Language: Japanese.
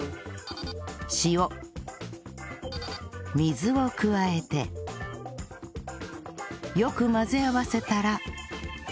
塩水を加えてよく混ぜ合わせたら